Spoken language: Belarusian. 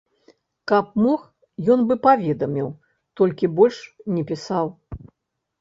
Каб мог, ён бы паведаміў, толькі больш не пісаў.